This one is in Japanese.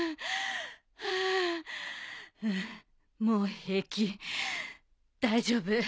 もう平気大丈夫。